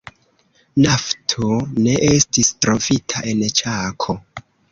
Nafto ne estis trovita en Ĉako.